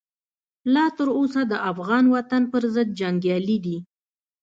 لا تر اوسه د افغان وطن پرضد جنګیالي دي.